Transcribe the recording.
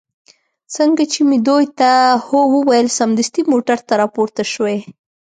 څنګه چې مې دوی ته هو وویل، سمدستي موټر ته را پورته شوې.